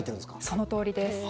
そのとおりです。